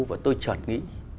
và tôi chợt nghĩ